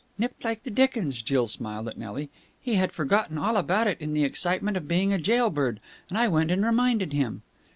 "Nipped like the dickens!" Jill smiled at Nelly. "He had forgotten all about it in the excitement of being a jailbird, and I went and reminded him."